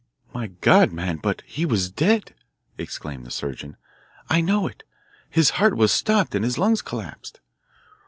"My God, man, but he was dead!" exclaimed the surgeon. "I know it. His heart was stopped and his lungs collapsed."